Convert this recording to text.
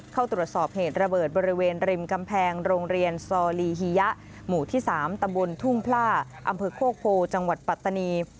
เข้าตรวจสอบเหตุระเบิดบริเวณริมกำแพงโรงเรียนซอลีฮียะหมู่ที่๓ตำบลทุ่งพล่าอำเภอโคกโพจังหวัดปัตตานี